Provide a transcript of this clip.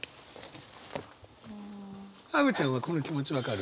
アヴちゃんはこの気持ち分かる？